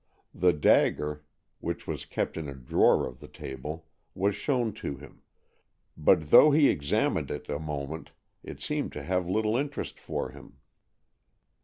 The dagger, which was kept in a drawer of the table, was shown to him, but though he examined it a moment, it seemed to have little interest for him.